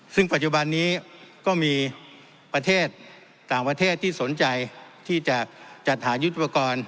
ซึ่งปัจจุบันนี้ก็มีประเทศต่างประเทศที่สนใจที่จะจัดหายุทธปกรณ์